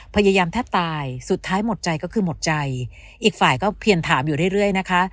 พยายามแทบตายสุดท้ายหมดใจก็คือหมดใจอีกฝ่ายก็เพียนถามอยู่เรื่อยนะคะ